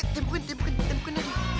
eh tembukin tembukin tembukin aja